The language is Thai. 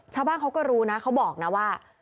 ชาวบ้านเขาก็รู้นะเขาบอกนะว่า